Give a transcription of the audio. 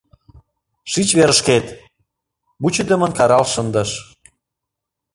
— Шич верышкет! — вучыдымын карал шындыш.